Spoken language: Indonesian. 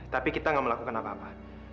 tapi kita gak melakukan apa apa